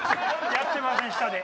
やってません下で。